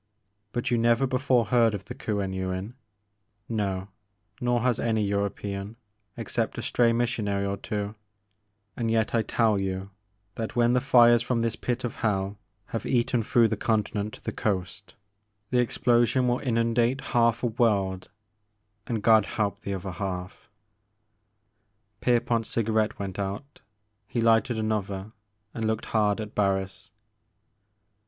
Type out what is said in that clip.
But you never before heard of the Kuen Yuin ; no, nor has any European ex cept a stray missionary or two, and yet I tell you that when the fires fi om this pit of hell have eaten through the continent to the coast, the ex^ The Maker of Moons. 3 7 plosion will inundate half a world, — and God help the other half. Pierpont's cigarette went out ; he lighted another, and looked hard at Barris.